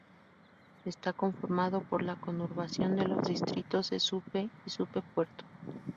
Está conformado por la conurbación de los distritos de Supe y Supe Puerto.